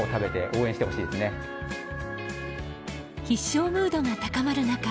必勝ムードが高まる中